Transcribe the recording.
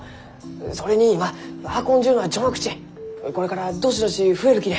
それに今運んじゅうのは序の口これからどしどし増えるきね。